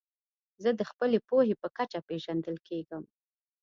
زه د خپلي پوهي په کچه پېژندل کېږم.